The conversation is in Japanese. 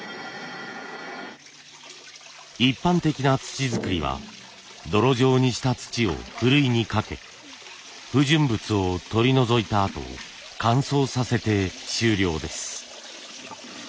一般的な土づくりは泥状にした土をふるいにかけ不純物を取り除いたあと乾燥させて終了です。